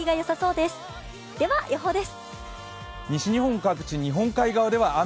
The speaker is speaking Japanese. では予報です。